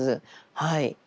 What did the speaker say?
はい。